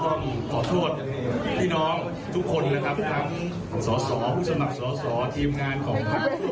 ต้องขอโทษพี่น้องทุกคนนะครับทั้งสอสอผู้สมัครสอสอทีมงานของพัก